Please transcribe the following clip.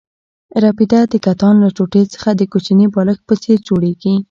رپیده د کتان له ټوټې څخه د کوچني بالښت په څېر جوړېږي.